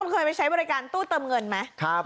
เคยไปใช้บริการตู้เติมเงินไหม